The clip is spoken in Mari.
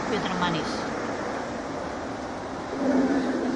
— Пӧдыр манеш.